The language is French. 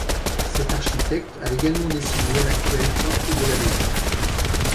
Cet architecte a également dessiné l'actuelle porte de l'abbaye.